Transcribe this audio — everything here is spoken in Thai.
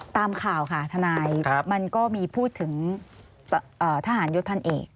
ตามข่าวค่ะทนายมันก็มีพูดถึงทหารยศพันเอก